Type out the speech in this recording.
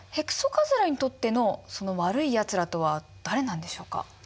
カズラにとってのその悪いやつらとは誰なんでしょうか？